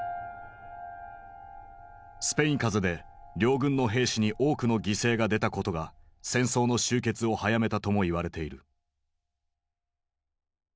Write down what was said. スペイン風邪で両軍の兵士に多くの犠牲が出たことが戦争の終結を早めたとも言われている。